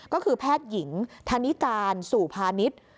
ก็คือแพทย์หญิงธนิการสู่พาณิชย์